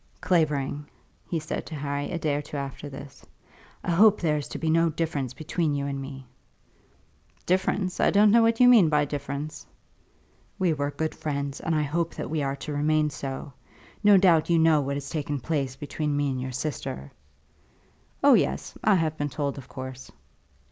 "Clavering," he said to Harry, a day or two after this, "I hope there is to be no difference between you and me." "Difference! I don't know what you mean by difference." "We were good friends, and I hope that we are to remain so. No doubt you know what has taken place between me and your sister." "Oh, yes; I have been told, of course."